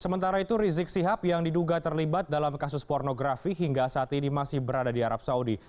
sementara itu rizik sihab yang diduga terlibat dalam kasus pornografi hingga saat ini masih berada di arab saudi